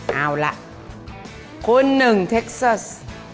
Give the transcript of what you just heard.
เอาล่ะคุณหนึ่งเท็กซัส